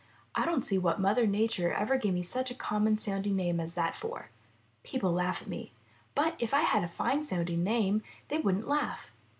I don't see what Mother Nature ever gave me such a common sound ing name as that for. People laugh at me, but if I had a fine sounding name they wouldn't laugh.